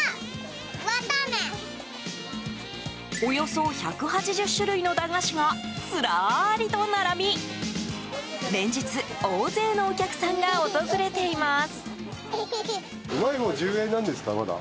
およそ１８０種類の駄菓子がずらりと並び連日、大勢のお客さんが訪れています。